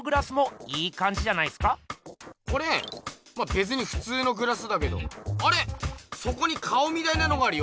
べつにふつうのグラスだけどあれ⁉そこに顔みたいなのがあるよ？